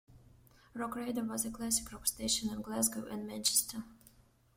Rock Radio was a classic rock station in Glasgow and Manchester.